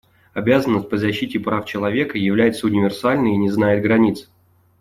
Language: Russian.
Обязанность по защите прав человека является универсальной и не знает границ.